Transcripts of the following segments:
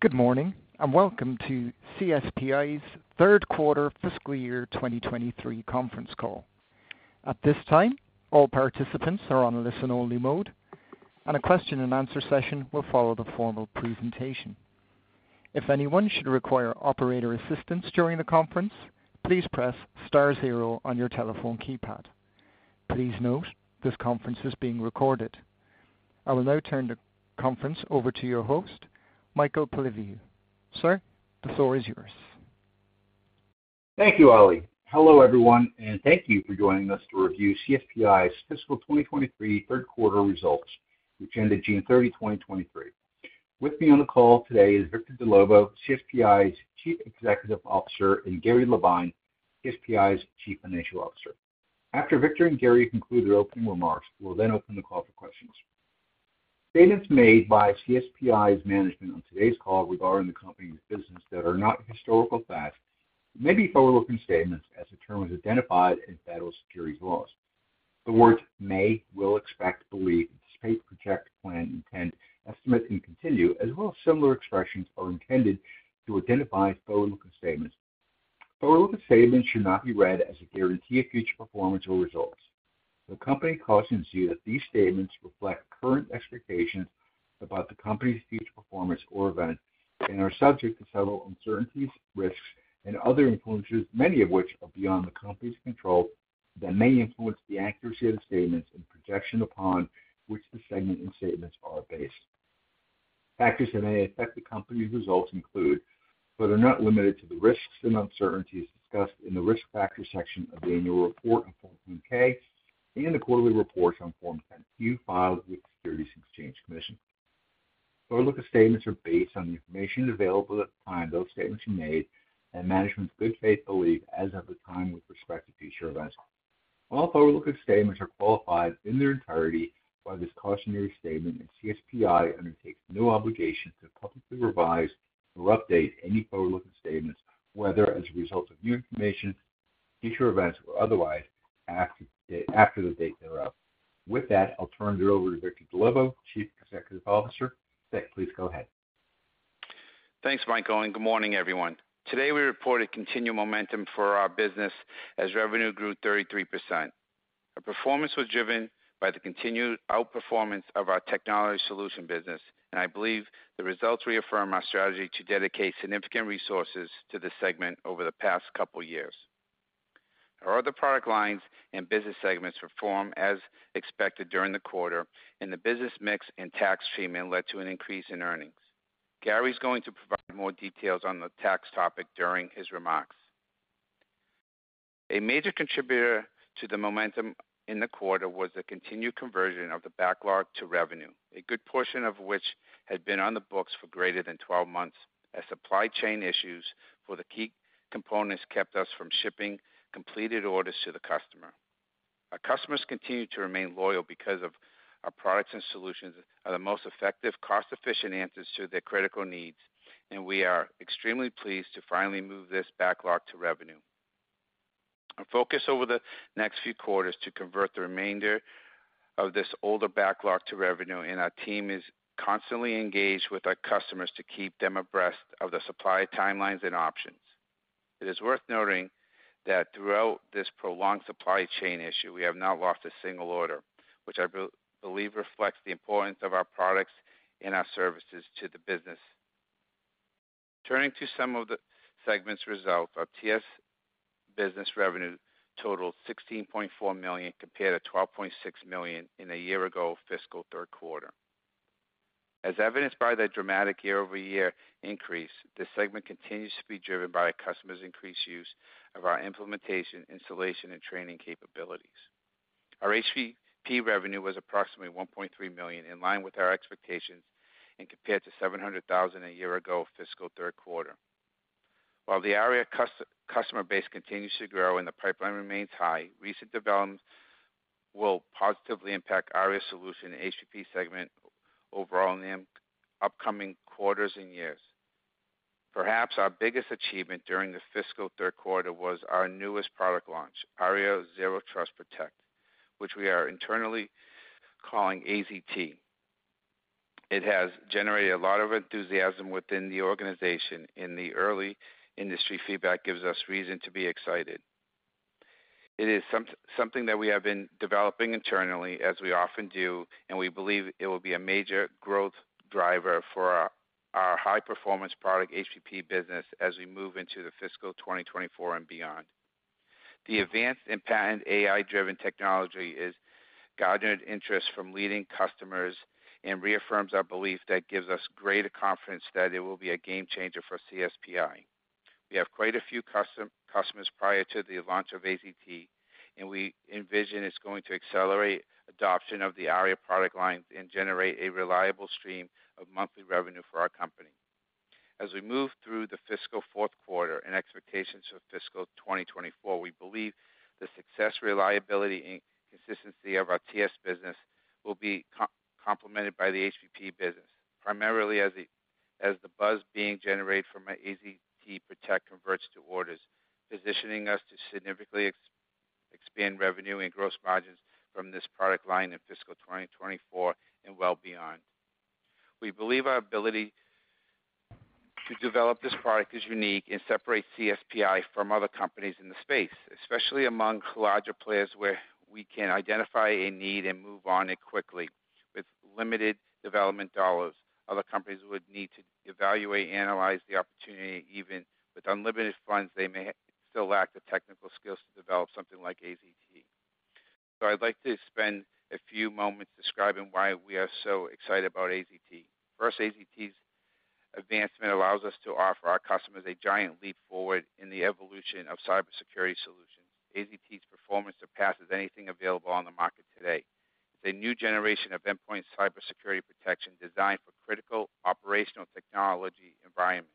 Good morning, welcome to CSPI's third quarter fiscal year 2023 conference call. At this time, all participants are on a listen-only mode. A question-and-answer session will follow the formal presentation. If anyone should require operator assistance during the conference, please press star zero on your telephone keypad. Please note, this conference is being recorded. I will now turn the conference over to your host, Michael Polyviou. Sir, the floor is yours. Thank you, Ali. Hello, everyone, thank you for joining us to review CSPI's fiscal 2023 third quarter results, which ended June 30, 2023. With me on the call today is Victor Dellovo, CSPI's Chief Executive Officer, Gary Levine, CSPI's Chief Financial Officer. After Victor and Gary conclude their opening remarks, we'll then open the call for questions. Statements made by CSPI's management on today's call regarding the company's business that are not historical facts may be forward-looking statements as the term is identified in federal securities laws. The words may, will, expect, believe, expect, project, plan, intent, estimate, and continue, as well as similar expressions, are intended to identify forward-looking statements. Forward-looking statements should not be read as a guarantee of future performance or results. The company cautions you that these statements reflect current expectations about the company's future performance or events and are subject to several uncertainties, risks, and other influences, many of which are beyond the company's control, that may influence the accuracy of the statements and projections upon which the segment and statements are based. Factors that may affect the company's results include, but are not limited to, the risks and uncertainties discussed in the Risk Factors section of the annual report on Form 10-K and the quarterly reports on Form 10-Q, filed with the Securities and Exchange Commission. Forward-looking statements are based on the information available at the time those statements are made and management's good faith belief as of the time with respect to future events. All forward-looking statements are qualified in their entirety by this cautionary statement. CSPI undertakes no obligation to publicly revise or update any forward-looking statements, whether as a result of new information, future events, or otherwise, after the, after the date thereof. With that, I'll turn it over to Victor Dellovo, Chief Executive Officer. Vic, please go ahead. Thanks, Michael. Good morning, everyone. Today, we reported continued momentum for our business as revenue grew 33%. Our performance was driven by the continued outperformance of our technology solution business. I believe the results reaffirm our strategy to dedicate significant resources to this segment over the past couple years. Our other product lines and business segments performed as expected during the quarter. The business mix and tax treatment led to an increase in earnings. Gary's going to provide more details on the tax topic during his remarks. A major contributor to the momentum in the quarter was the continued conversion of the backlog to revenue, a good portion of which had been on the books for greater than 12 months, as supply chain issues for the key components kept us from shipping completed orders to the customer. Our customers continue to remain loyal because of our products and solutions are the most effective, cost-efficient answers to their critical needs. We are extremely pleased to finally move this backlog to revenue. Our focus over the next few quarters to convert the remainder of this older backlog to revenue. Our team is constantly engaged with our customers to keep them abreast of the supply timelines and options. It is worth noting that throughout this prolonged supply chain issue, we have not lost a single order, which I believe reflects the importance of our products and our services to the business. Turning to some of the segments results, our TS business revenue totaled $16.4 million, compared to $12.6 million in a year ago fiscal third quarter. As evidenced by the dramatic year-over-year increase, this segment continues to be driven by our customers' increased use of our implementation, installation, and training capabilities. Our HVP revenue was approximately $1.3 million, in line with our expectations and compared to $700,000 a year ago fiscal third quarter. While the ARIA customer base continues to grow and the pipeline remains high, recent developments will positively impact ARIA Solution HVP segment overall in the upcoming quarters and years. Perhaps our biggest achievement during the fiscal third quarter was our newest product launch, ARIA Zero Trust PROTECT, which we are internally calling AZT. It has generated a lot of enthusiasm within the organization, the early industry feedback gives us reason to be excited. It is something that we have been developing internally, as we often do, and we believe it will be a major growth driver for our high-performance product HVP business as we move into the fiscal 2024 and beyond. The advanced and patent AI-driven technology is garnering interest from leading customers and reaffirms our belief that gives us greater confidence that it will be a game changer for CSPI. We have quite a few customers prior to the launch of AZT, and we envision it's going to accelerate adoption of the ARIA product line and generate a reliable stream of monthly revenue for our company. As we move through the fiscal fourth quarter and expectations of fiscal 2024, we believe the success, reliability, and consistency of our TS business will be complemented by the HVP business, primarily as the buzz being generated from our AZT PROTECT converts to orders, positioning us to significantly expand revenue and gross margins from this product line in fiscal 2024 and well beyond. We believe our ability to develop this product is unique and separates CSPI from other companies in the space, especially among larger players where we can identify a need and move on it quickly. With limited development dollars, other companies would need to evaluate, analyze the opportunity. Even with unlimited funds, they may still lack the technical skills to develop something like AZT. I'd like to spend a few moments describing why we are so excited about AZT. First, AZT's advancement allows us to offer our customers a giant leap forward in the evolution of cybersecurity solutions. AZT's performance surpasses anything available on the market today. It's a new generation of endpoint cybersecurity protection designed for critical operational technology environments.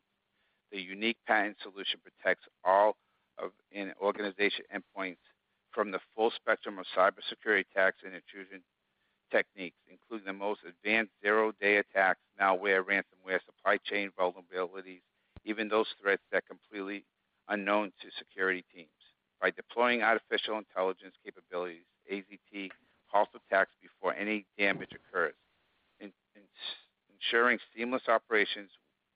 The unique patent solution protects all of an organization endpoints from the full spectrum of cybersecurity attacks and intrusion techniques, including the most advanced zero-day attacks now, where ransomware supply chain vulnerabilities, even those threats that are completely unknown to security teams. By deploying artificial intelligence capabilities, AZT halts attacks before any damage occurs, ensuring seamless operations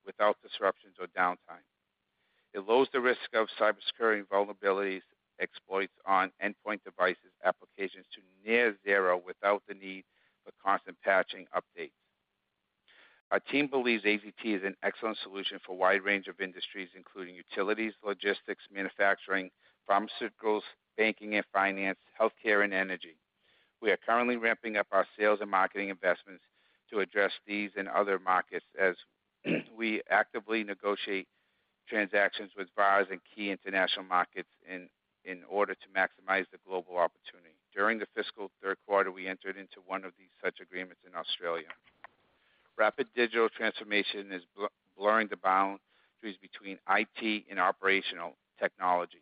without disruptions or downtime. It lowers the risk of cybersecurity vulnerabilities, exploits on endpoint devices, applications to near zero without the need for constant patching updates. Our team believes AZT is an excellent solution for a wide range of industries, including utilities, logistics, manufacturing, pharmaceuticals, banking and finance, healthcare, and energy. We are currently ramping up our sales and marketing investments to address these and other markets as we actively negotiate transactions with buyers in key international markets in order to maximize the global opportunity. During the fiscal third quarter, we entered into one of these such agreements in Australia. Rapid digital transformation is blurring the boundaries between IT and operational technology.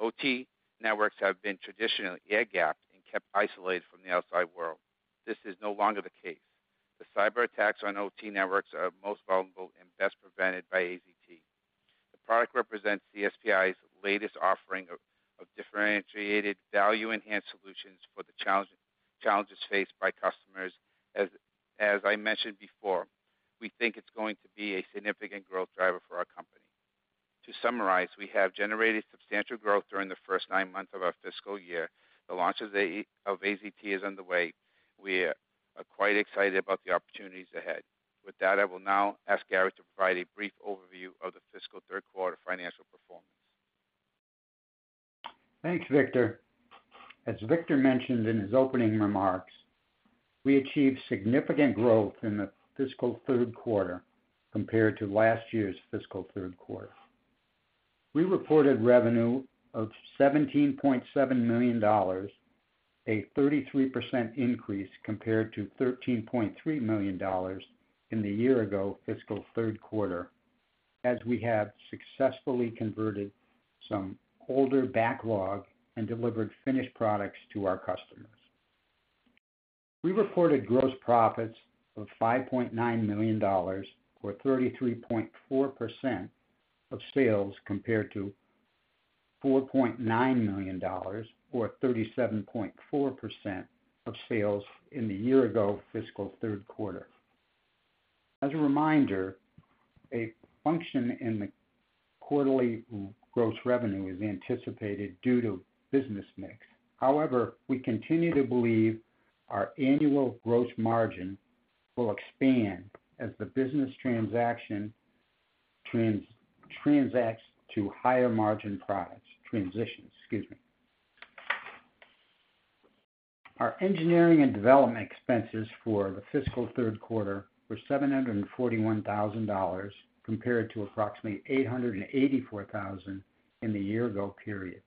OT networks have been traditionally air-gapped and kept isolated from the outside world. This is no longer the case. The cyber attacks on OT networks are most vulnerable and best prevented by AZT. The product represents CSPI's latest offering of differentiated value-enhanced solutions for the challenges faced by customers. As I mentioned before, we think it's going to be a significant growth driver for our company. To summarize, we have generated substantial growth during the first nine months of our fiscal year. The launch of AZT is underway. We are quite excited about the opportunities ahead. With that, I will now ask Gary to provide a brief overview of the fiscal third quarter financial performance. Thanks, Victor. As Victor mentioned in his opening remarks, we achieved significant growth in the fiscal third quarter compared to last year's fiscal third quarter. We reported revenue of $17.7 million, a 33% increase compared to $13.3 million in the year-ago fiscal third quarter, as we have successfully converted some older backlog and delivered finished products to our customers. We reported gross profits of $5.9 million, or 33.4% of sales, compared to $4.9 million, or 37.4% of sales in the year-ago fiscal third quarter. As a reminder, a function in the quarterly gross revenue is anticipated due to business mix. However, we continue to believe our annual gross margin will expand as the business transacts to higher margin products. Transitions, excuse me. Our engineering and development expenses for the fiscal third quarter were $741,000, compared to approximately $884,000 in the year-ago period.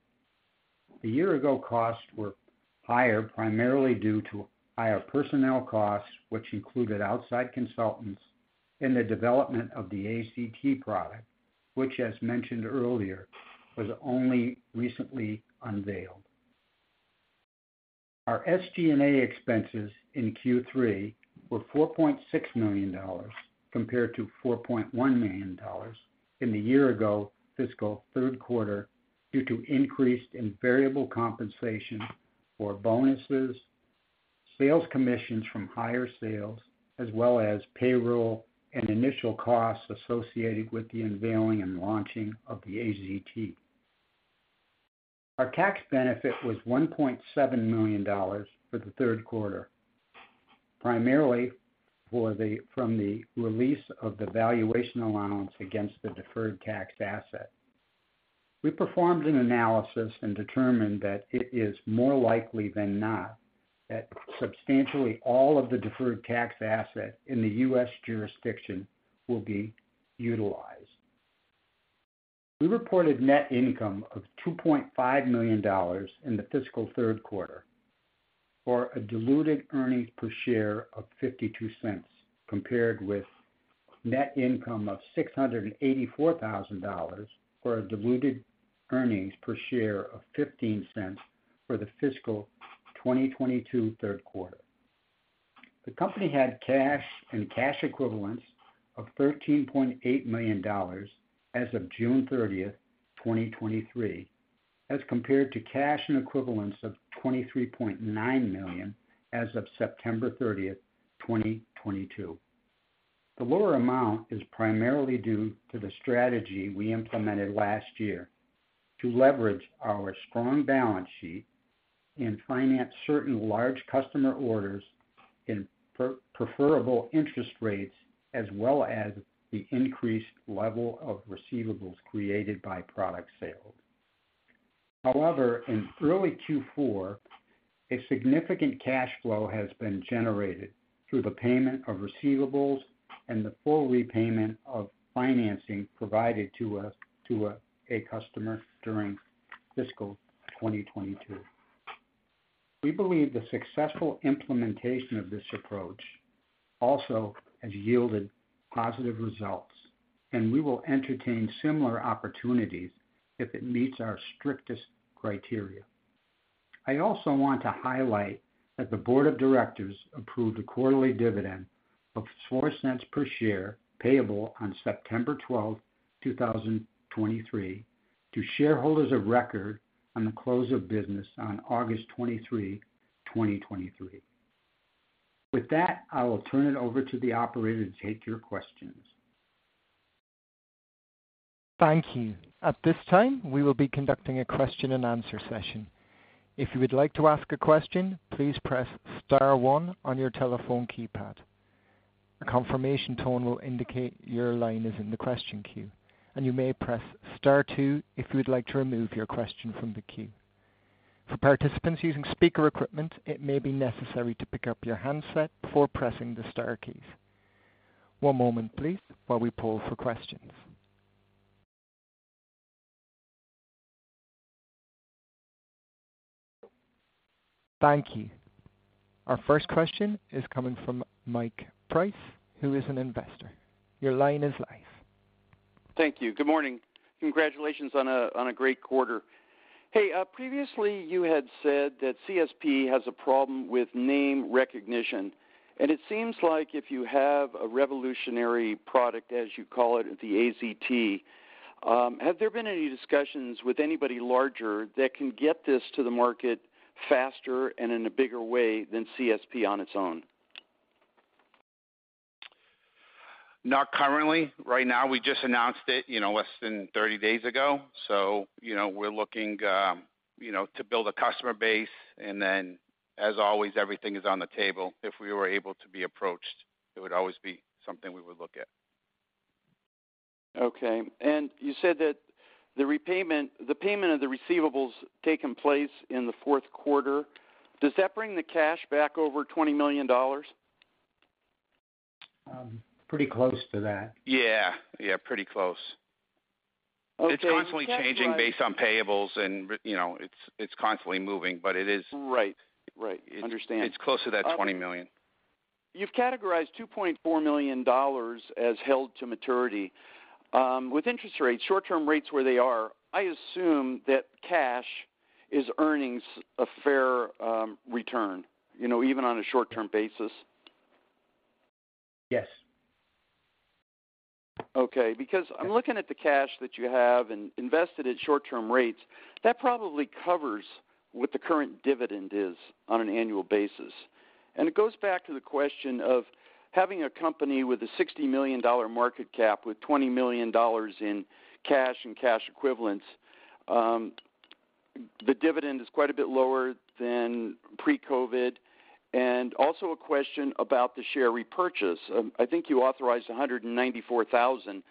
The year-ago costs were higher, primarily due to higher personnel costs, which included outside consultants in the development of the AZT product, which, as mentioned earlier, was only recently unveiled. Our SG&A expenses in Q3 were $4.6 million, compared to $4.1 million in the year-ago fiscal third quarter, due to increased in variable compensation for bonuses, sales commissions from higher sales, as well as payroll and initial costs associated with the unveiling and launching of the AZT. Our tax benefit was $1.7 million for the third quarter, primarily from the release of the valuation allowance against the deferred tax asset. We performed an analysis and determined that it is more likely than not that substantially all of the deferred tax asset in the US jurisdiction will be utilized. We reported net income of $2.5 million in the fiscal third quarter, or a diluted earnings per share of $0.52, compared with net income of $684,000, or a diluted earnings per share of $0.15 for the fiscal 2022 third quarter. The company had cash and cash equivalents of $13.8 million as of June thirtieth, 2023, as compared to cash and equivalents of $23.9 million as of September thirtieth, 2022. The lower amount is primarily due to the strategy we implemented last year to leverage our strong balance sheet and finance certain large customer orders in preferable interest rates, as well as the increased level of receivables created by product sales. However, in early Q4, a significant cash flow has been generated through the payment of receivables and the full repayment of financing provided to a customer during fiscal 2022. We believe the successful implementation of this approach also has yielded positive results, and we will entertain similar opportunities if it meets our strictest criteria. I also want to highlight that the board of directors approved a quarterly dividend of $0.04 per share, payable on September 12, 2023, to shareholders of record on the close of business on August 23, 2023. With that, I will turn it over to the Operator to take your questions. Thank you. At this time, we will be conducting a question-and-answer session. If you would like to ask a question, please press star one on your telephone keypad. A confirmation tone will indicate your line is in the question queue, and you may press Star two if you would like to remove your question from the queue. For participants using speaker equipment, it may be necessary to pick up your handset before pressing the star keys. One moment, please, while we pull for questions. Thank you. Our first question is coming from Mike Price, who is an investor. Your line is live. Thank you. Good morning. Congratulations on a great quarter. Hey, previously you had said that CSPI has a problem with name recognition, and it seems like if you have a revolutionary product, as you call it, the AZT, have there been any discussions with anybody larger that can get this to the market faster and in a bigger way than CSPI on its own? Not currently. Right now, we just announced it, you know, less than 30 days ago. You know, we're looking, you know, to build a customer base, and then, as always, everything is on the table. If we were able to be approached, it would always be something we would look at. Okay. You said that the payment of the receivables taking place in the fourth quarter, does that bring the cash back over $20 million? Pretty close to that. Yeah, yeah, pretty close. Okay. It's constantly changing based on payables and, you know, it's constantly moving, but it is- Right. Right. Understand. It's close to that $20 million. You've categorized $2.4 million as held to maturity. With interest rates, short-term rates where they are, I assume that cash is earnings a fair return, you know, even on a short-term basis. Yes. Okay, because I'm looking at the cash that you have and invested in short-term rates. That probably covers what the current dividend is on an annual basis. It goes back to the question of having a company with a $60 million market cap with $20 million in cash and cash equivalents. The dividend is quite a bit lower than pre-COVID. Also a question about the share repurchase. I think you authorized 194,000.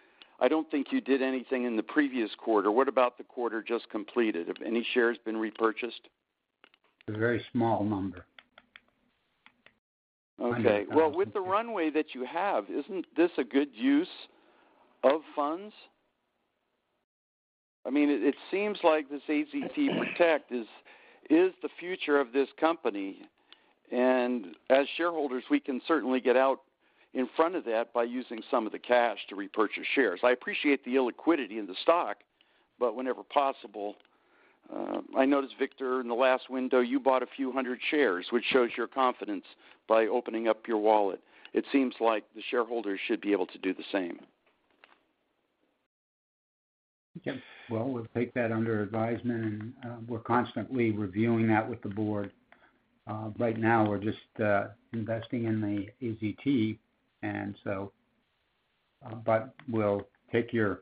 I don't think you did anything in the previous quarter. What about the quarter just completed? Have any shares been repurchased? A very small number. Okay. Well, with the runway that you have, isn't this a good use of funds? I mean, it seems like this AZT PROTECT is, is the future of this company, and as shareholders, we can certainly get out in front of that by using some of the cash to repurchase shares. I appreciate the illiquidity in the stock, but whenever possible, I noticed, Victor, in the last window, you bought a few hundred shares, which shows your confidence by opening up your wallet. It seems like the shareholders should be able to do the same. Well, we'll take that under advisement, and we're constantly reviewing that with the board. Right now, we're just investing in the AZT, and so. We'll take your.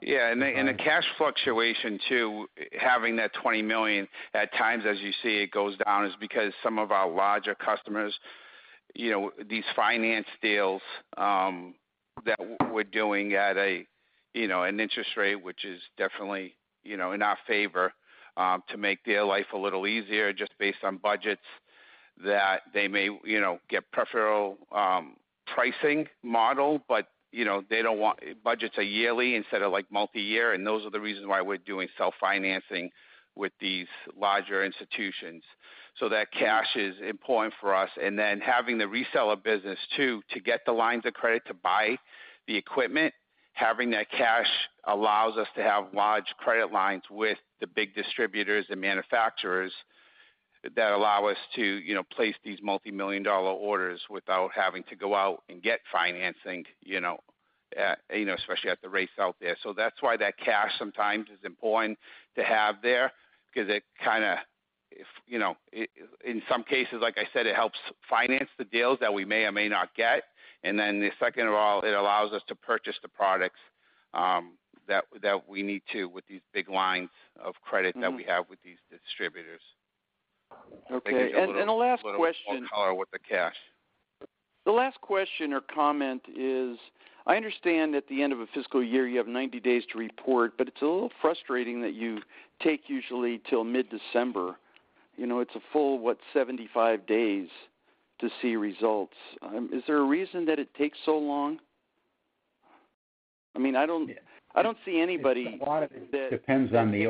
Yeah, and the, and the cash fluctuation too, having that $20 million at times, as you see it goes down, is because some of our larger customers, you know, these finance deals, that we're doing at a, you know, an interest rate, which is definitely, you know, in our favor, to make their life a little easier just based on budgets, that they may, you know, get preferential, pricing model. They don't want... Budgets are yearly instead of, like, multi-year, and those are the reasons why we're doing self-financing with these larger institutions. That cash is important for us, and then having the reseller business too, to get the lines of credit to buy the equipment.... having that cash allows us to have large credit lines with the big distributors and manufacturers that allow us to, you know, place these multimillion-dollar orders without having to go out and get financing, you know, you know, especially at the rates out there. That's why that cash sometimes is important to have there, because it kind of, if, you know, in some cases, like I said, it helps finance the deals that we may or may not get. Second of all, it allows us to purchase the products, that, that we need to with these big lines of credit. Mm-hmm. that we have with these distributors. Okay, and the last question- A little more color with the cash. The last question or comment is, I understand at the end of a fiscal year, you have 90 days to report, but it's a little frustrating that you take usually till mid-December. You know, it's a full, what, 75 days to see results. Is there a reason that it takes so long? I mean, I don't, I don't see anybody that- A lot of it depends on the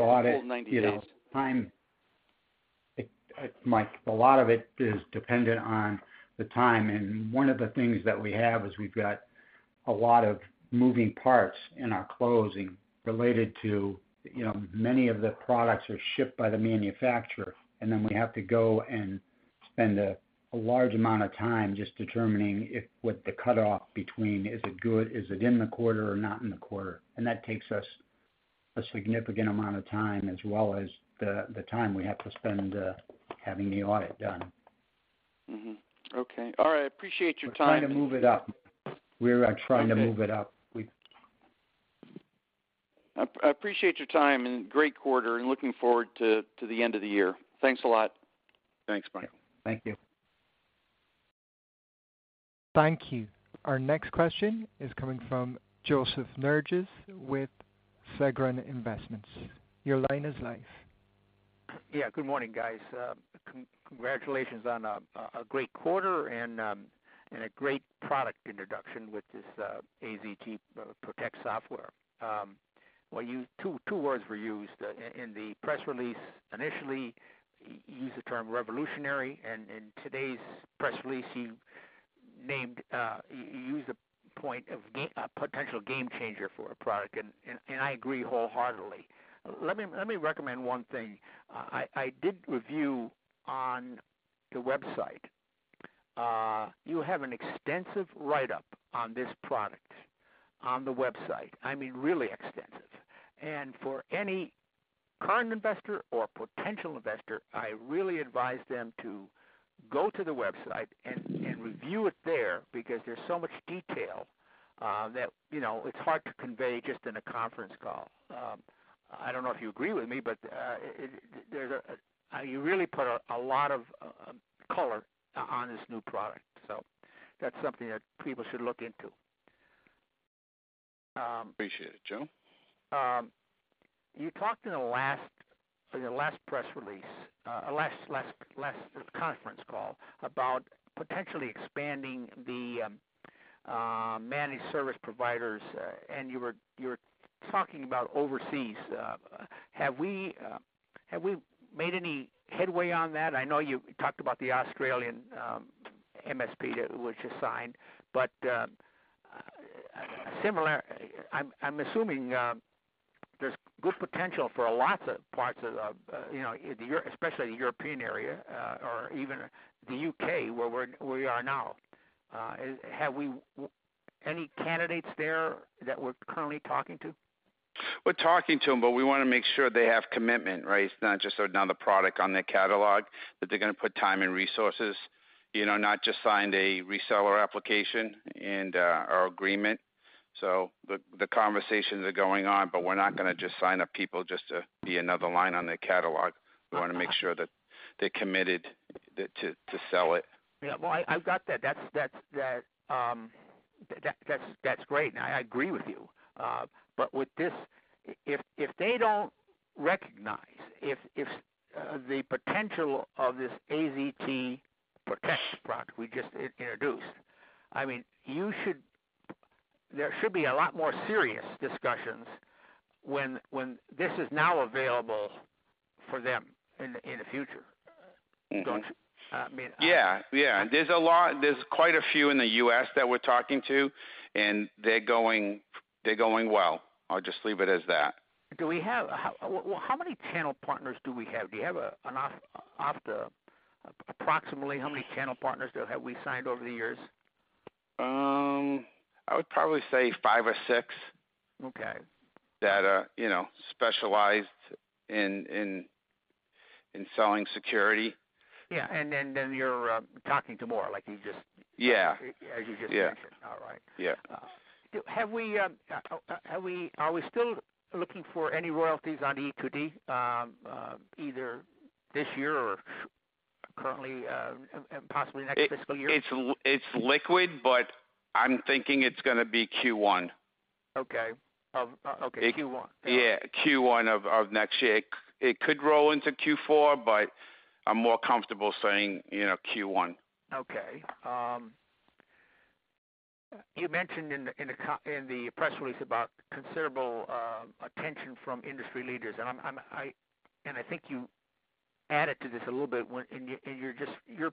audit, you know, time. Mike, a lot of it is dependent on the time, one of the things that we have is we've got a lot of moving parts in our closing related to, you know, many of the products are shipped by the manufacturer, then we have to go and spend a large amount of time just determining if, what the cutoff between is it good, is it in the quarter or not in the quarter? That takes us a significant amount of time, as well as the time we have to spend having the audit done. Mm-hmm. Okay. All right, I appreciate your time. We're trying to move it up. We're trying to move it up. I, I appreciate your time and great quarter and looking forward to, to the end of the year. Thanks a lot. Thanks, Mike. Thank you. Thank you. Our next question is coming from Joseph Nerges with Segner Investments. Your line is live. Yeah, good morning, guys. Congratulations on a great quarter and a great product introduction with this AZT PROTECT software. Well, you two words were used in the press release. Initially, you used the term revolutionary, and in today's press release, you named, you used the point of a potential game changer for a product, and I agree wholeheartedly. Let me recommend one thing. I did review on your website. You have an extensive write-up on this product on the website. I mean, really extensive. For any current investor or potential investor, I really advise them to go to the website and review it there, because there's so much detail that, you know, it's hard to convey just in a conference call. I don't know if you agree with me, but You really put a lot of color on this new product, so that's something that people should look into. Appreciate it, Joe. You talked in the last, in your last press release, last conference call, about potentially expanding the managed service providers. You were talking about overseas. Have we made any headway on that? I know you talked about the Australian, MSP that was just signed. I'm assuming, there's good potential for lots of parts of the, you know, especially the European area, or even the UK, where we're, where we are now. Have we any candidates there that we're currently talking to? We want to make sure they have commitment, right? It's not just another product on their catalog, that they're gonna put time and resources, you know, not just sign a reseller application and or agreement. The, the conversations are going on, but we're not gonna just sign up people just to be another line on their catalog. Uh-huh. We want to make sure that they're committed to sell it. Yeah. Well, I, I've got that. That's, that's, that, that, that's, that's great, and I agree with you. With this, if, if they don't recognize, if, if, the potential of this AZT PROTECT product we just introduced, I mean, there should be a lot more serious discussions when, when this is now available for them in, in the future. Mm-hmm. Don't you? I mean- Yeah, yeah. There's a lot, there's quite a few in the US that we're talking to, and they're going, they're going well. I'll just leave it as that. How, well, how many channel partners do we have? Do you have approximately how many channel partners have we signed over the years? I would probably say five or six. Okay. That are, you know, specialized in, in, in selling security. Yeah, and then, then you're, talking to more, like you just- Yeah. As you just mentioned. Yeah. All right. Yeah. Are we still looking for any royalties on E-2D, either this year or currently, and possibly next fiscal year? It, it's it's liquid, but I'm thinking it's gonna be Q1. Okay. Of, okay, Q1. Yeah, Q1 of, of next year. It, it could roll into Q4, but I'm more comfortable saying, you know, Q1. Okay. you mentioned in the, in the press release about considerable attention from industry leaders, and I think you added to this a little bit when, in your, in your just, your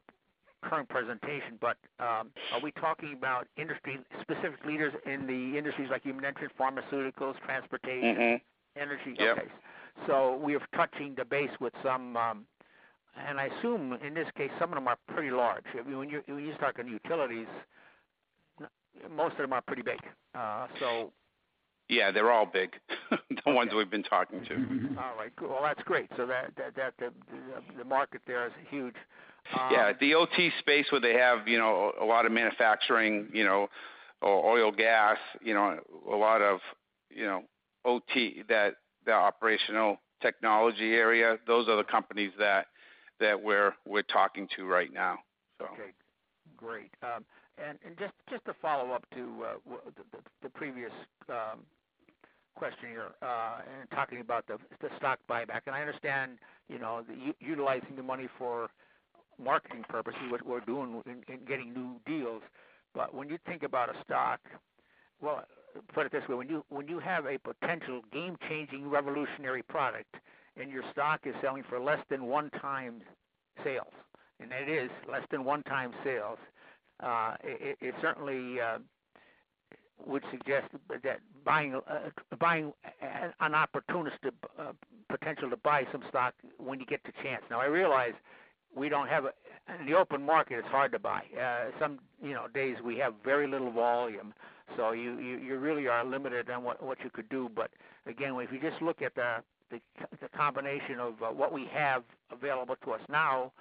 current presentation, but, are we talking about industry-specific leaders in the industries like human entry, pharmaceuticals, transportation? Mm-hmm. Energy? Yep. We are touching the base with some. I assume in this case, some of them are pretty large. I mean, when you, when you start talking utilities, most of them are pretty big, so. Yeah, they're all big, the ones we've been talking to. All right, cool. Well, that's great. That the market there is huge. Yeah, the OT space where they have, you know, a lot of manufacturing, you know, or oil gas, you know, a lot of, you know, OT, that, the operational technology area, those are the companies that, that we're, we're talking to right now, so. Okay, great. Just to follow up to the previous question here, in talking about the stock buyback. I understand, you know, utilizing the money for marketing purposes, what we're doing in getting new deals. When you think about a stock, well, put it this way, when you have a potential game-changing, revolutionary product, and your stock is selling for less than 1 time sales, and it is less than 1 time sales, it, it, it certainly would suggest that buying, buying an opportunist, potential to buy some stock when you get the chance. Now, I realize we don't have a the open market, it's hard to buy. Some, you know, days we have very little volume, you, you, you really are limited on what, what you could do. Again, if you just look at the, the, the combination of what we have available to us now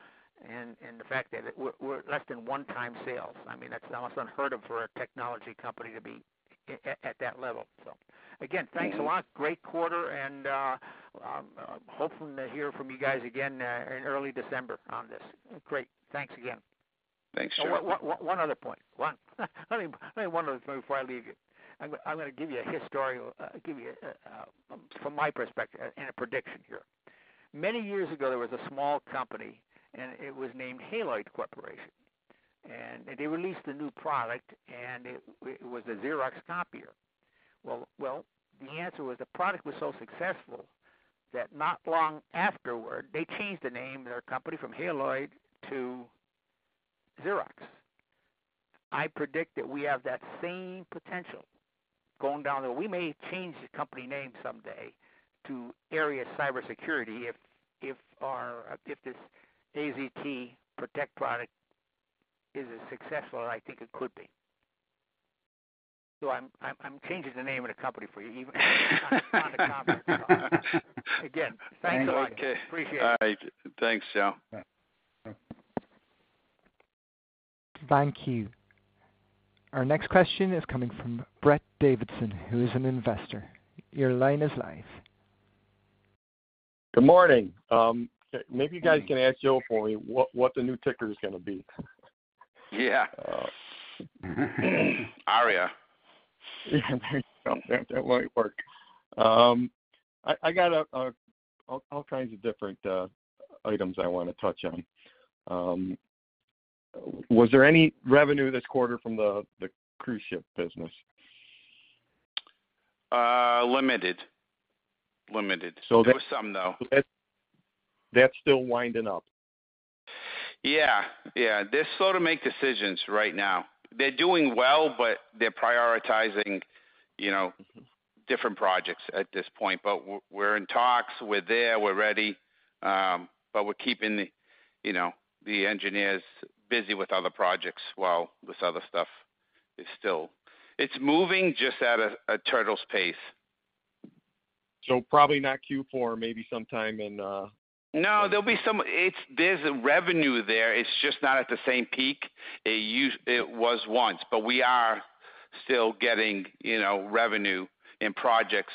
and, and the fact that we're, we're less than 1 time sales, I mean, that's almost unheard of for a technology company to be at, at, at that level. Again, thanks a lot. Great quarter, I'm hoping to hear from you guys again in early December on this. Great. Thanks again. Thanks, Joe. One, one, one other point. One, only one other point before I leave you. I'm gonna, I'm gonna give you a historical give you from my perspective and a prediction here. Many years ago, there was a small company, and it was named Haloid Company, and they released a new product, and it, it was a Xerox copier. Well, well, the answer was the product was so successful that not long afterward, they changed the name of their company from Haloid to Xerox. I predict that we have that same potential going down, that we may change the company name someday to ARIA Cybersecurity if, if our, if this AZT PROTECT product is as successful as I think it could be. I'm, I'm, I'm changing the name of the company for you, on the conference call. Again, thanks a lot. Okay. Appreciate it. All right. Thanks, Joe. Thank you. Our next question is coming from Brett Davidson, who is an investor. Your line is live. Good morning. Maybe you guys can answer for me, what, what the new ticker is gonna be? Yeah. ARIA. Yeah, that might work. I, I got all kinds of different items I wanna touch on. Was there any revenue this quarter from the, the cruise ship business? limited. Limited. So- There was some, though. That's still winding up? Yeah, yeah. They're slow to make decisions right now. They're doing well, but they're prioritizing, you know, different projects at this point. We're in talks, we're there, we're ready, but we're keeping the, you know, the engineers busy with other projects while this other stuff is still... It's moving just at a turtle's pace. probably not Q4, maybe sometime in. There's a revenue there, it's just not at the same peak it was once, but we are still getting, you know, revenue in projects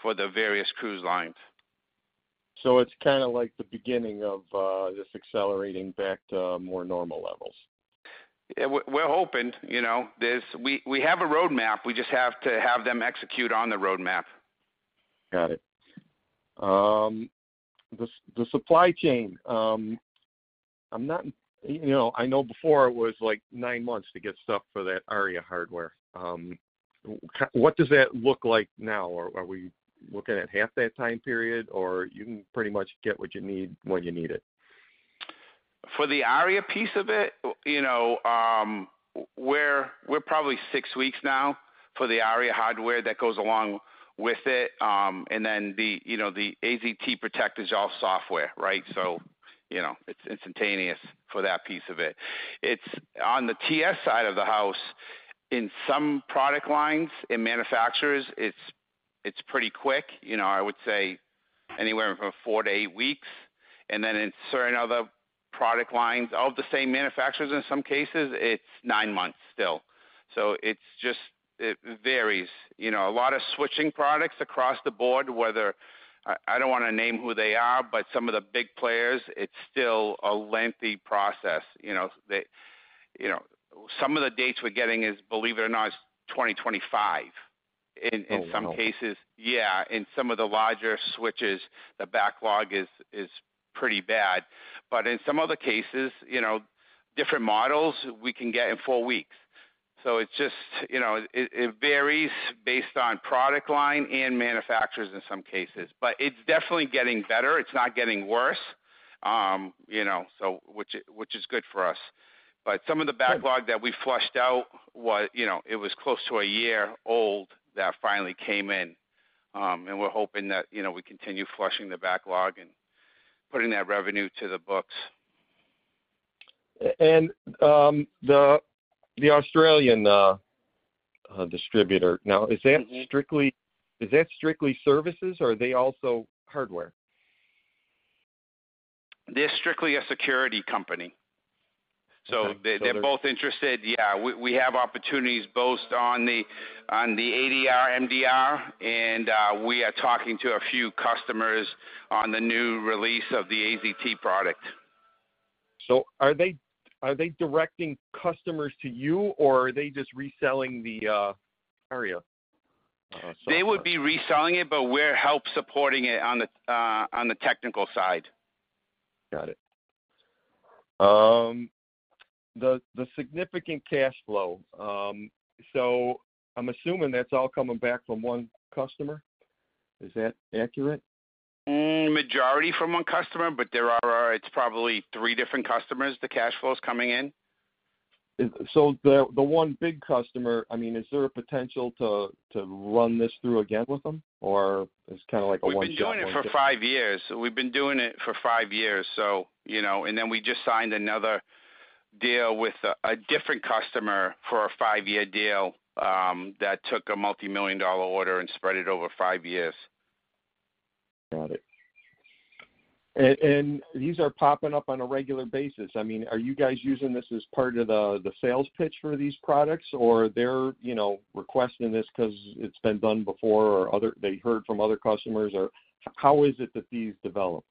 for the various cruise lines. It's kind of like the beginning of, just accelerating back to more normal levels? Yeah, we're, we're hoping, you know, we, we have a roadmap. We just have to have them execute on the roadmap. Got it. The supply chain, I'm not... You know, I know before it was, like, nine months to get stuff for that ARIA hardware. What does that look like now? Are we looking at half that time period, or you can pretty much get what you need when you need it? For the ARIA piece of it, you know, we're, we're probably 6 weeks now for the ARIA hardware that goes along with it. The, you know, the AZT PROTECT is all software, right? You know, it's instantaneous for that piece of it. It's, on the TS side of the house, in some product lines, in manufacturers, it's, it's pretty quick. You know, I would say anywhere from 4-8 weeks. In certain other product lines of the same manufacturers, in some cases, it's 9 months still. It's just, it varies. You know, a lot of switching products across the board, whether... I, I don't want to name who they are, but some of the big players, it's still a lengthy process, you know, they. You know, some of the dates we're getting is, believe it or not, is 2025. Oh, wow! In some cases. Yeah, in some of the larger switches, the backlog is, is pretty bad. In some other cases, you know, different models we can get in four weeks. It's just, you know, it, it varies based on product line and manufacturers in some cases. It's definitely getting better, it's not getting worse, you know, so which is, which is good for us. Some of the backlog that we flushed out was, you know, it was close to a year old that finally came in. We're hoping that, you know, we continue flushing the backlog and putting that revenue to the books. The Australian distributor, now, is that strictly, is that strictly services, or are they also hardware? They're strictly a security company. Okay. They're both interested, yeah. We, we have opportunities both on the, on the ADR, MDR, and we are talking to a few customers on the new release of the AZT product. Are they, are they directing customers to you, or are they just reselling the, ARIA? They would be reselling it, we're help supporting it on the on the technical side. Got it. The, the significant cash flow, so I'm assuming that's all coming back from 1 customer. Is that accurate? Majority from 1 customer, but there are, it's probably 3 different customers, the cash flows coming in. The, the one big customer, I mean, is there a potential to, to run this through again with them, or it's kind of like a one-shot? We've been doing it for five years. We've been doing it for five years, so, you know. Then we just signed another deal with a, a different customer for a five-year deal, that took a multimillion-dollar order and spread it over five years. Got it. And these are popping up on a regular basis. I mean, are you guys using this as part of the, the sales pitch for these products, or they're, you know, requesting this because it's been done before, or they heard from other customers, or how is it that these develop?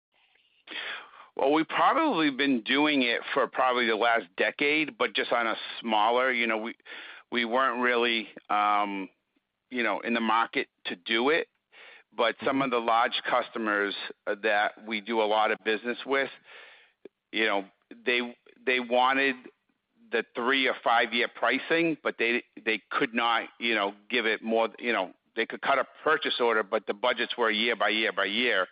Well, we've probably been doing it for probably the last decade, just on a smaller, you know, we, we weren't really, you know, in the market to do it. Some of the large customers that we do a lot of business with, you know, they, they wanted the 3 or 5-year pricing, but they, they could not, you know, give it more, you know, they could cut a purchase order, but the budgets were year by year by year.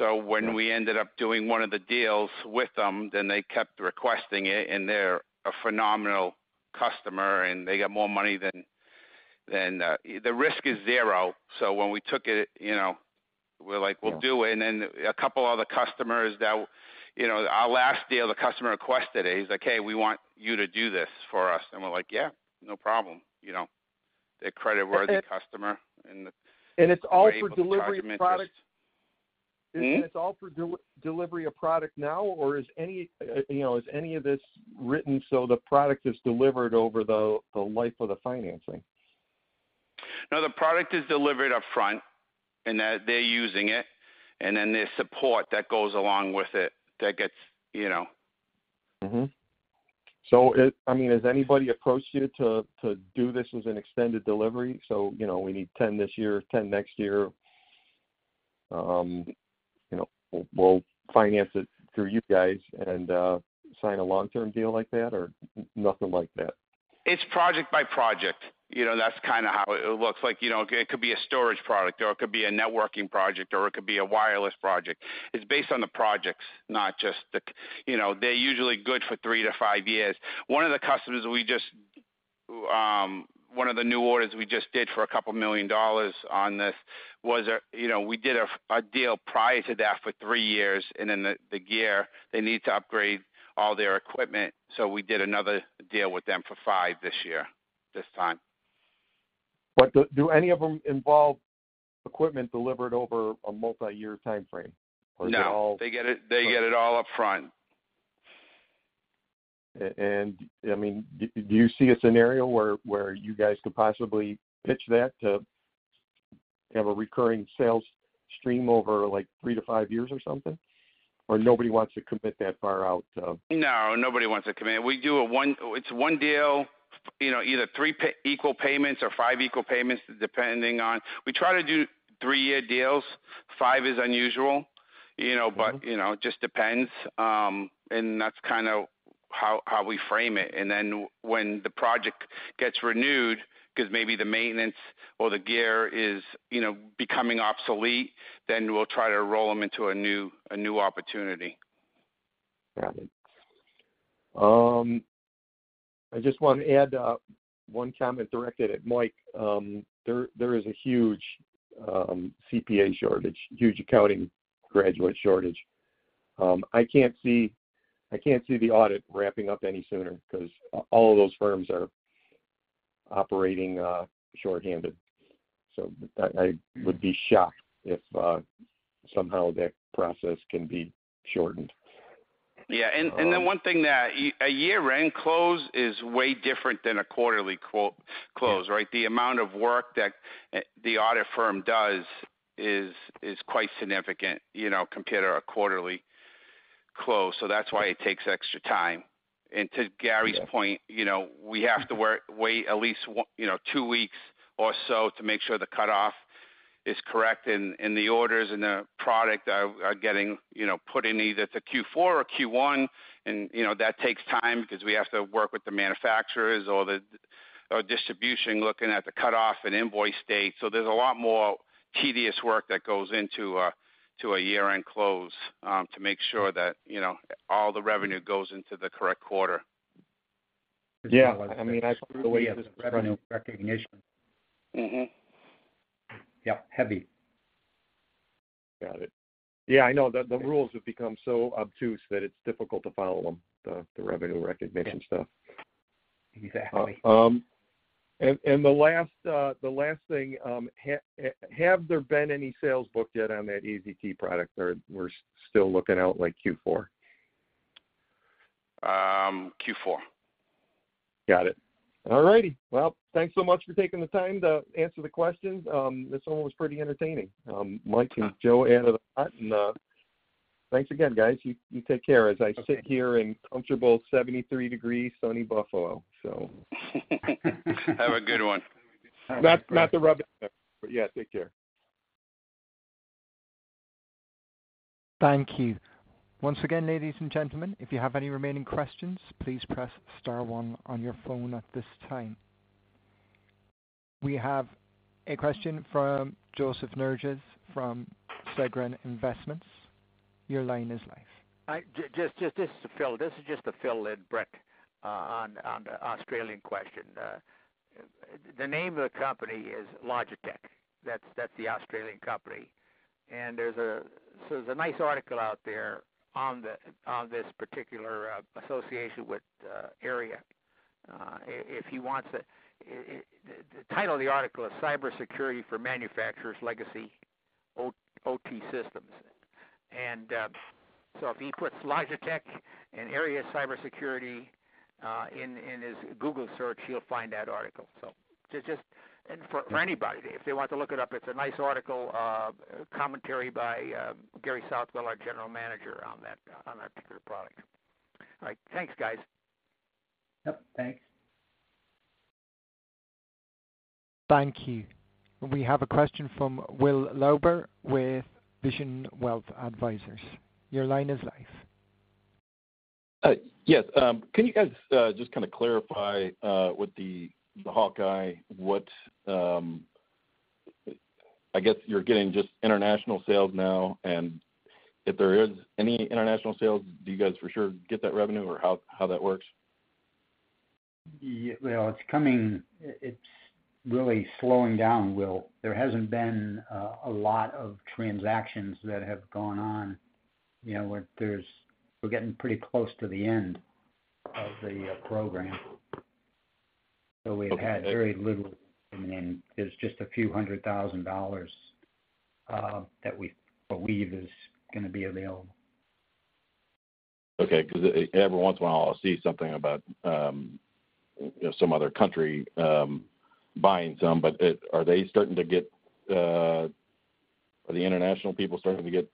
When we ended up doing one of the deals with them, then they kept requesting it, and they're a phenomenal customer, and they got more money than, than... The risk is zero. When we took it, you know, we're like, "We'll do it." Then a couple of other customers that, you know, our last deal, the customer requested it. He's like, "Hey, we want you to do this for us." We're like, "Yeah, no problem." You know, they're a creditworthy customer, and the- It's all for delivery of product? Mm-hmm. It's all for delivery of product now, or is any, you know, is any of this written so the product is delivered over the life of the financing? No, the product is delivered up front, and they're, they're using it, and then there's support that goes along with it, that gets, you know... Mm-hmm. I mean, has anybody approached you to, to do this as an extended delivery? You know, we need 10 this year, 10 next year, you know, we'll, we'll finance it through you guys and, sign a long-term deal like that or nothing like that? It's project by project. You know, that's kind of how it looks like. You know, it could be a storage product, or it could be a networking project, or it could be a wireless project. It's based on the projects, not just the... You know, they're usually good for 3 to 5 years. One of the new orders we just did for $2 million on this was, you know, we did a deal prior to that for 3 years, and then the gear they need to upgrade all their equipment, so we did another deal with them for 5 this year, this time. Do any of them involve equipment delivered over a multi-year timeframe? No. they all- They get it, they get it all up front. I mean, do you see a scenario where, where you guys could possibly pitch that to have a recurring sales stream over, like, 3-5 years or something? Nobody wants to commit that far out, so... No, nobody wants to commit. It's 1 deal, you know, either 3 equal payments or 5 equal payments, depending on... We try to do 3-year deals. 5 is unusual, you know, but- Mm-hmm. -you know, it just depends, and that's kind of how, how we frame it. When the project gets renewed, because maybe the maintenance or the gear is, you know, becoming obsolete, then we'll try to roll them into a new, a new opportunity. Got it. I just want to add one comment directed at Mike. There, there is a huge CPA shortage, huge accounting graduate shortage. I can't see, I can't see the audit ramping up any sooner because all of those firms are operating shorthanded. I, I would be shocked if somehow that process can be shortened. Yeah, then 1 thing that, a year-end close is way different than a quarterly close, right? The amount of work that the audit firm does is quite significant, you know, compared to a quarterly close. That's why it takes extra time. To Gary's point, you know, we have to wait at least 1, you know, 2 weeks or so to make sure the cutoff is correct and the orders and the product are getting, you know, put in either the Q4 or Q1. You know, that takes time because we have to work with the manufacturers or the, or distribution, looking at the cutoff and invoice date. There's a lot more tedious work that goes into a year-end close to make sure that, you know, all the revenue goes into the correct quarter. Yeah, I mean, the way this revenue recognition. Mm-hmm. Yeah, heavy. Got it. Yeah, I know the, the rules have become so obtuse that it's difficult to follow them, the, the revenue recognition stuff. Exactly. The last, the last thing, have there been any sales booked yet on that AZT product, or we're still looking out like Q4? Q4. Got it. All righty. Thanks so much for taking the time to answer the questions. This one was pretty entertaining. Mike and Joe out of the hat, thanks again, guys. You, you take care, as I sit here in comfortable 73 degrees, sunny Buffalo. Have a good one. That's not the rub. Yeah, take care. Thank you. Once again, ladies and gentlemen, if you have any remaining questions, please press star one on your phone at this time. We have a question from Joseph Nerges from Segner Investments. Your line is live. I, this is Phil. This is just a Phil Lynbrook, on, on the Australian question. The name of the company is Logi-Tech. That's, that's the Australian company, and there's a nice article out there on this particular association with ARIA. If he wants it, the title of the article is Cybersecurity for Manufacturers: Legacy OT, OT Systems. If he puts Logi-Tech and ARIA Cybersecurity in, in his Google search, he'll find that article. Just for anybody, if they want to look it up, it's a nice article of commentary by Gary Southwell, our general manager, on that particular product. All right, thanks, guys. Yep, thanks. Thank you. We have a question from Will Lauber with Vision Wealth Advisors. Your line is live. Yes. Can you guys just kinda clarify with the Hawkeye, what I guess you're getting just international sales now, and if there is any international sales, do you guys for sure get that revenue or how, how that works? Yeah, well, it's coming... It, it's really slowing down, Will. There hasn't been a lot of transactions that have gone on. You know, we're getting pretty close to the end of the program. Okay. we've had very little, I mean, there's just a few hundred thousand dollars that we believe is gonna be available. Okay, because every once in a while, I'll see something about, you know, some other country, buying some, but it, are they starting to get, are the international people starting to get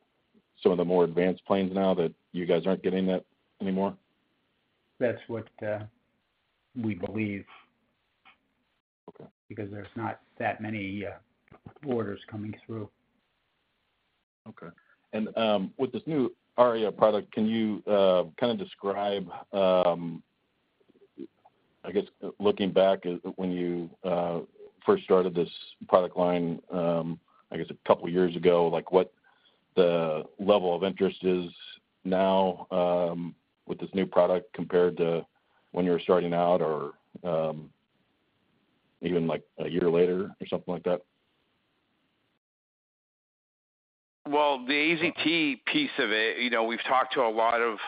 some of the more advanced planes now that you guys aren't getting that anymore? That's what, we believe. Okay. Because there's not that many orders coming through. Okay. With this new ARIA product, can you kind of describe, I guess, looking back at when you first started this product line, I guess 2 years ago, like, what the level of interest is now, with this new product compared to when you were starting out, or even like 1 year later or something like that? Well, the AZT piece of it, you know, we've talked to a lot of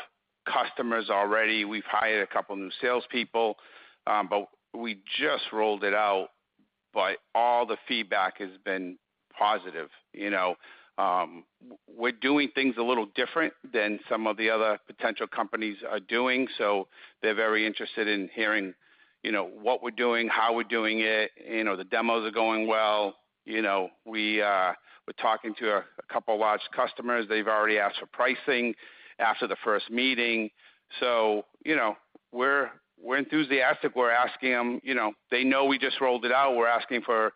customers already. We've hired a couple of new salespeople, but we just rolled it out, but all the feedback has been positive. You know, we're doing things a little different than some of the other potential companies are doing, so they're very interested in hearing, you know, what we're doing, how we're doing it, you know, the demos are going well. You know, we're talking to a couple of large customers. They've already asked for pricing after the first meeting. You know, we're, we're enthusiastic. We're asking them, you know, they know we just rolled it out. We're asking for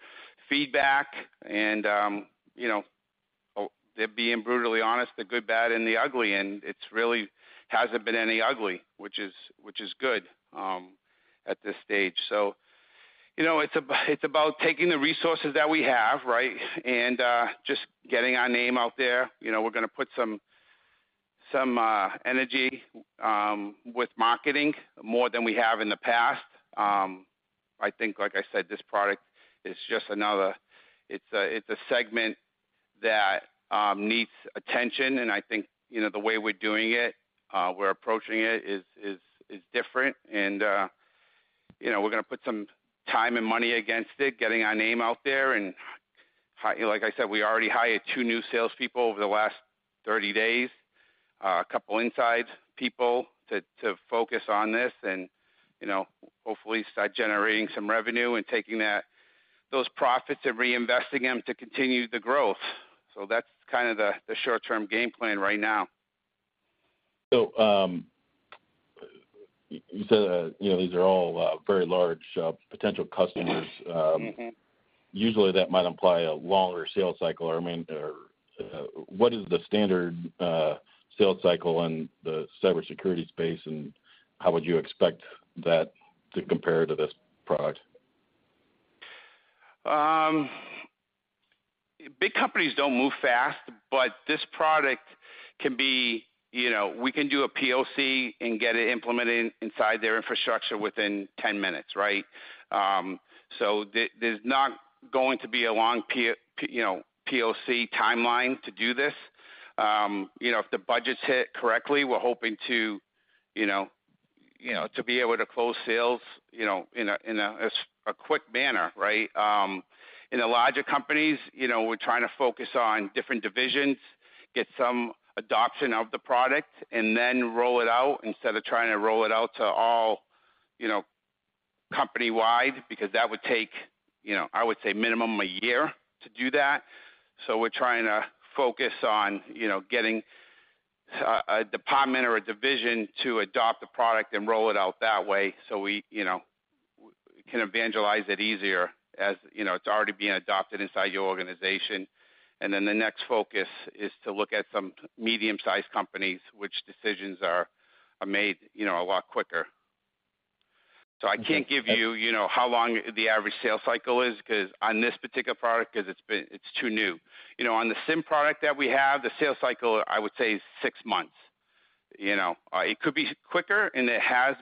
feedback and, you know, they're being brutally honest, the good, bad, and the ugly, and it's really hasn't been any ugly, which is, which is good, at this stage. You know, it's about, it's about taking the resources that we have, right, and just getting our name out there. You know, we're gonna put some, some energy with marketing more than we have in the past. I think, like I said, this product is just another, it's a, it's a segment that needs attention, and I think, you know, the way we're doing it, we're approaching it is, is, is different. You know, we're gonna put some time and money against it, getting our name out there. Hi- like I said, we already hired 2 new salespeople over the last 30 days, a couple inside people to, to focus on this, and you know, hopefully start generating some revenue and taking that, those profits and reinvesting them to continue the growth. So that's kind of the, the short-term game plan right now. You said, you know, these are all very large potential customers. Mm-hmm. Usually that might imply a longer sales cycle, or I mean, or, what is the standard sales cycle in the cybersecurity space, and how would you expect that to compare to this product? Big companies don't move fast, but this product can be, you know, we can do a POC and get it implemented inside their infrastructure within 10 minutes, right? There, there's not going to be a long, you know, POC timeline to do this. You know, if the budgets hit correctly, we're hoping to, you know, you know, to be able to close sales, you know, in a, in a, a quick manner, right? In the larger companies, you know, we're trying to focus on different divisions, get some adoption of the product, and then roll it out instead of trying to roll it out to all, you know, company-wide, because that would take, you know, I would say, minimum 1 year to do that. We're trying to focus on, you know, getting a department or a division to adopt the product and roll it out that way. We, you know, can evangelize it easier, as, you know, it's already being adopted inside your organization. The next focus is to look at some medium-sized companies, which decisions are made, you know, a lot quicker. I can't give you, you know, how long the average sales cycle is, because on this particular product, because it's been. It's too new. You know, on the SIM product that we have, the sales cycle, I would say, is 6 months. You know, it could be quicker, and it has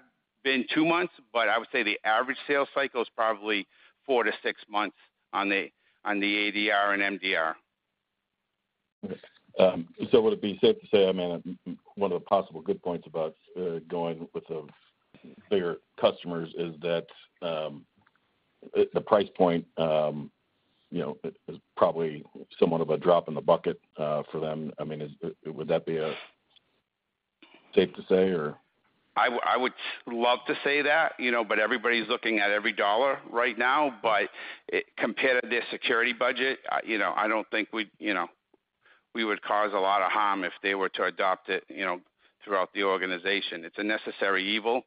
been 2 months, but I would say the average sales cycle is probably 4 to 6 months on the ADR and MDR. Would it be safe to say, I mean, one of the possible good points about going with the bigger customers is that the price point, you know, is probably somewhat of a drop in the bucket for them? I mean, is, would that be safe to say, or? I would, I would love to say that, you know, but everybody's looking at every $1 right now. Comparative security budget, you know, I don't think we'd, you know, we would cause a lot of harm if they were to adopt it, you know, throughout the organization. It's a necessary evil.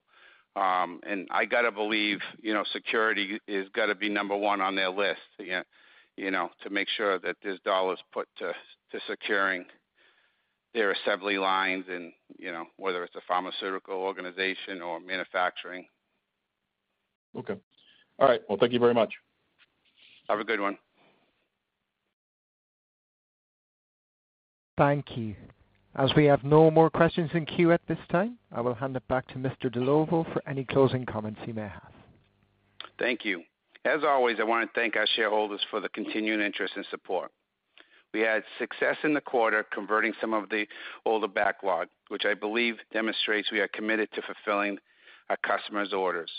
And I gotta believe, you know, security has got to be number 1 on their list, again, you know, to make sure that this $1 is put to, to securing their assembly lines and, you know, whether it's a pharmaceutical organization or manufacturing. Okay. All right. Well, thank you very much. Have a good one. Thank you. As we have no more questions in queue at this time, I will hand it back to Mr. Dellovo for any closing comments he may have. Thank you. As always, I want to thank our shareholders for the continuing interest and support. We had success in the quarter, converting some of the older backlog, which I believe demonstrates we are committed to fulfilling our customers' orders.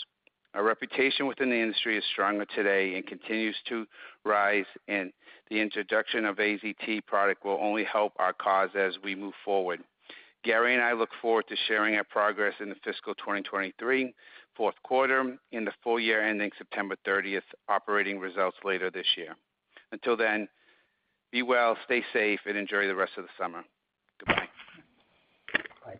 Our reputation within the industry is stronger today and continues to rise, and the introduction of AZT product will only help our cause as we move forward. Gary and I look forward to sharing our progress in the fiscal 2023 fourth quarter, in the full year ending September 30th, operating results later this year. Until then, be well, stay safe, and enjoy the rest of the summer. Goodbye. Bye.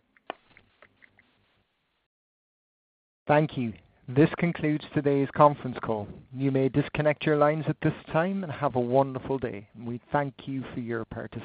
Thank you. This concludes today's conference call. You may disconnect your lines at this time and have a wonderful day. We thank you for your participation.